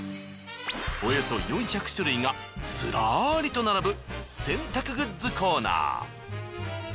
およそ４００種類がずらりと並ぶ洗濯グッズコーナー。